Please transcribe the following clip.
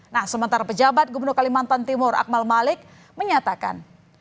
nah sementara pejabat gubernur kalimantan timur akmal malik menyatakan